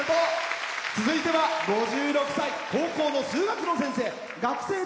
続いては５６歳、高校の数学の先生。